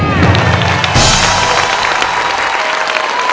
อินโทรเพลงที่๓มูลค่า๔๐๐๐๐บาทมาเลยครับ